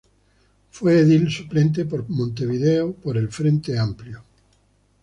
Fue edil suplente por Montevideo por el Frente Amplio.